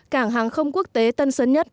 cảng hàng không quốc tế tân sơn nhất